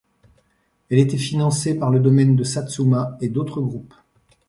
Elle était financé par le domaine de Satsuma et d'autres groupes.